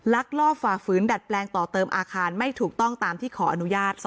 ลักลอบฝ่าฝืนดัดแปลงต่อเติมอาคารไม่ถูกต้องตามที่ขออนุญาต